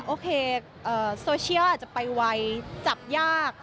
โอเคโซเชียลอาจจะไปไวจับยาก